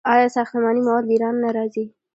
آیا ساختماني مواد له ایران نه راځي؟